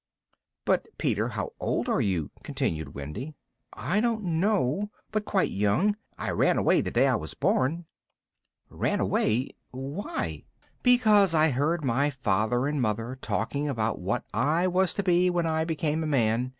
"But Peter, how old are you?" continued Wendy. "I don't know, but quite young. I ran away the day I was born." "Ran away why?" "Because I heard my father and mother talking about what I was to be when I became a man.